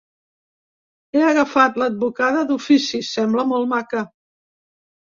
He agafat l’advocada d’ofici, sembla molt maca.